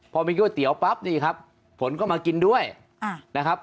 พอมีก๋วยเตี๋ยวปั๊บนี่ครับผลก็มากินด้วยนะครับ